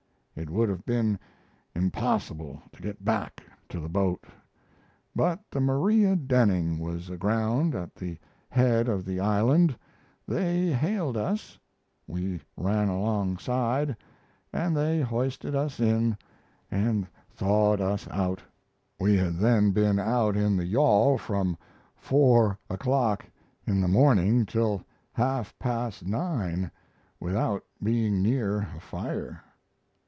It would have been impossible to get back to the boat. But the Maria Denning was aground at the head of the island they hailed us we ran alongside, and they hoisted us in and thawed us out. We had then been out in the yawl from four o'clock in the morning till half past nine without being near a fire.